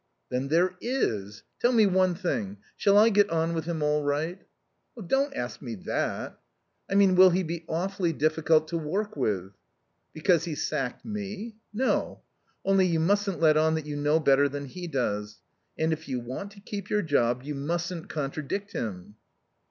"Then there is tell me one thing: Shall I get on with him all right?" "Don't ask me that." "I mean, will he be awfully difficult to work with?" "Because he sacked me? No. Only you mustn't let on that you know better than he does. And if you want to keep your job, you mustn't contradict him."